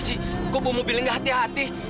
saya mau dipakai